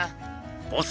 ボス